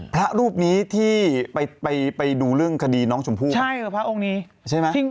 พระรูปนี้ที่ไปไปไปดูเรื่องคดีน้องชมพู่ใช่คือพระองค์นี้ใช่ไหม